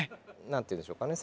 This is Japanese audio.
なんていうんでしょうかね